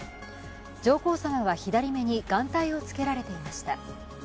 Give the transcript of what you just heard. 上皇さまは左目に眼帯をつけられていました。